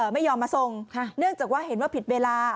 ไม่ยอมมาส่งเนื่องจากว่าเห็นว่าผิดเวลา